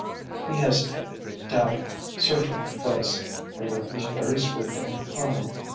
He hesitated, doubting, searching her face. Her look was very sweet and kind.